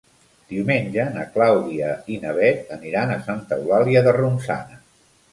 Diumenge na Clàudia i na Bet aniran a Santa Eulàlia de Ronçana.